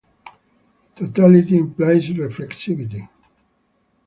Totality implies reflexivity.